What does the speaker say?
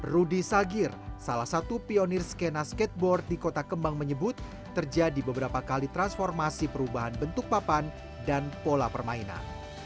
rudy sagir salah satu pionir skena skateboard di kota kembang menyebut terjadi beberapa kali transformasi perubahan bentuk papan dan pola permainan